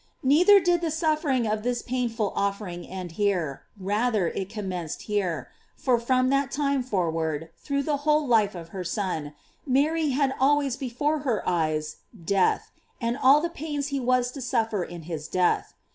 Neither did the suffering of this painful offer ing end here; rather it commenced here; for from that time forward, through the whole life of her Son, Mary had always before her eyes death, and all the pains he was to suffer in his death.